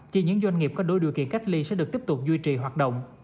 chỉ những doanh nghiệp có đủ điều kiện cách ly sẽ được tiếp tục duy trì hoạt động